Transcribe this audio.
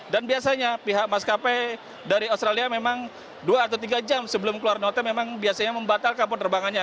dan biasanya pihak maskapai dari australia memang dua atau tiga jam sebelum keluar notem memang biasanya membatalkan penerbangannya